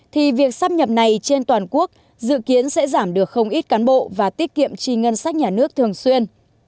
thì việc sắp nhập này trên toàn quốc dự kiến sẽ giảm được không ít cán bộ và tiết kiệm chi ngân sách nhà nước thường xuyên